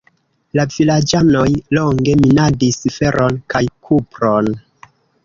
La vilaĝanoj longe minadis feron kaj kupron.